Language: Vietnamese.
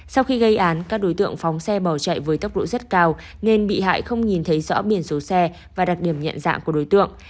sau khi gây án các đối tượng phóng xe bỏ chạy với tốc độ rất cao nên bị hại không nhìn thấy rõ biển số xe và đặc điểm nhận dạng của đối tượng